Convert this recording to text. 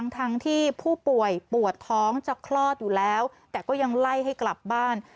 ทั้งที่ผู้ป่วยปวดท้องจะคลอดอยู่แล้วแต่ก็ยังไล่ให้กลับบ้าน